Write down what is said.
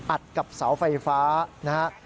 อัดกับเสาไฟฟ้านะฮะ